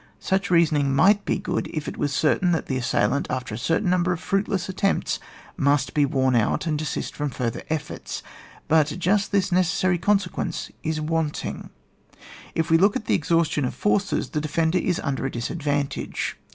Such reasoning might be good if it was certain that the assailant after a certain number of fruitless attempts must be worn out, and desist from further efforts. But just this necessary conse quence is wanting. If we look at the exhaustion of forces, the defender is under a disadvantage.